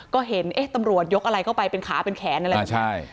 ก็เห็นตำรวจยกอะไรเข้าไปเป็นขาเป็นแขนนั่นแหละ